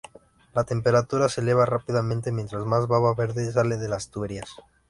La temperatura se eleva rápidamente mientras más baba verde sale de las tuberías.